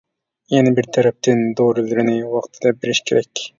يەنە بىر تەرەپتىن، دورىلىرىنى ۋاقتىدا بېرىش كېرەك.